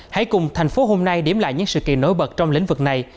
hãy cùng thành phố hôm nay điểm lại những sự kiện nổi bật trong lĩnh vực này